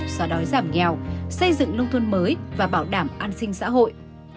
xóa đói giảm nghèo xây dựng nông thôn mới và bảo đảm an sinh xã hội